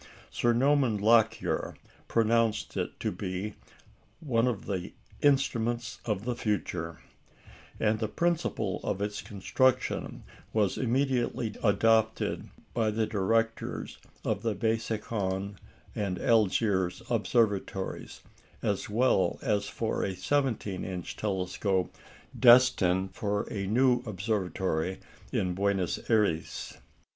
Sir Norman Lockyer pronounced it to be "one of the instruments of the future"; and the principle of its construction was immediately adopted by the directors of the Besançon and Algiers Observatories, as well as for a 17 inch telescope destined for a new observatory at Buenos Ayres.